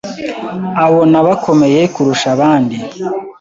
abona bakomeye kurusha abandi,